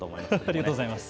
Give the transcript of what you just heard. ありがとうございます。